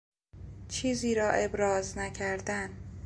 چیزی را ابراز نکردن